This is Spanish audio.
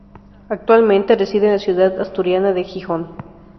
Actualmente reside en la ciudad asturiana de Gijón.